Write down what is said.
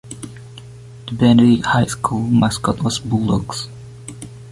The Benedict High School mascot was Bulldogs.